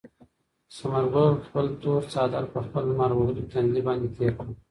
ثمر ګل خپل تور څادر په خپل لمر وهلي تندي باندې تېر کړ.